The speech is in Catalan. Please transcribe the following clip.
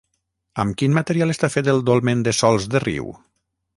Amb quin material està fet el dolmen de Sòls de Riu?